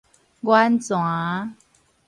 源泉